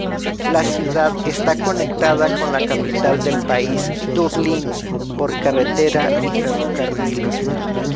La ciudad está conectada con la capital del país, Dublín por carretera y ferrocarril.